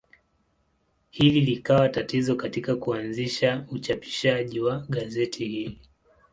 Hili likawa tatizo katika kuanzisha uchapishaji wa gazeti hili.